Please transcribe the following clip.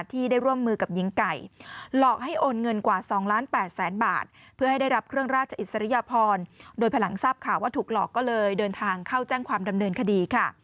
ที่ได้ร่วมมือกับหญิงไก่